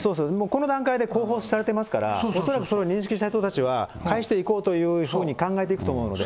この段階でこうほうされてますから、恐らくその認識した人たちは、返していこうというふうに考えていくと思うので。